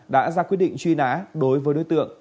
đã ra quyết định truy nã đối với đối tượng